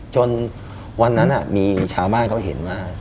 จนวันนั้นมีชาวบ้านเขาเห็นว่า